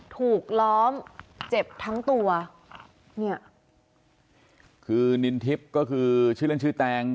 ล้อมเจ็บทั้งตัวเนี่ยคือนินทิพย์ก็คือชื่อเล่นชื่อแตง